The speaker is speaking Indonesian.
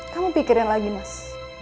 kamu pikirin lagi mas